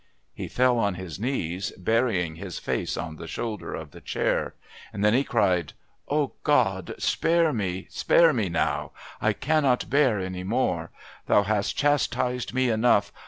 He fell on his knees, burying his face in the shoulder of the chair. Then he cried: "Oh, God, spare me now, spare me! I cannot bear any more. Thou hast chastised me enough.